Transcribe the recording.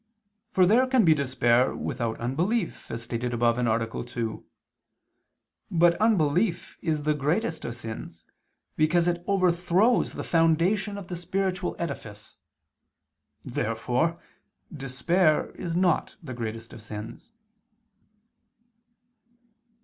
For there can be despair without unbelief, as stated above (A. 2). But unbelief is the greatest of sins because it overthrows the foundation of the spiritual edifice. Therefore despair is not the greatest of sins.